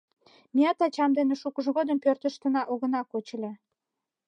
Меат ачам дене шукыж годым пӧртыштына огына коч ыле.